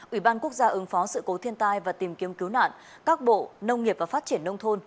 ủy ban quốc gia ứng phó sự cố thiên tai và tìm kiếm cứu nạn các bộ nông nghiệp và phát triển nông thôn